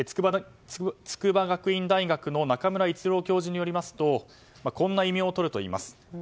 筑波学院大学の中村逸郎教授によりますとこんな異名をとるといいます。